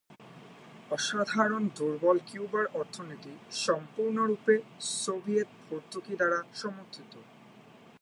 অসাধারণ দুর্বল কিউবার অর্থনীতি সম্পূর্ণরূপে সোভিয়েত ভর্তুকি দ্বারা সমর্থিত।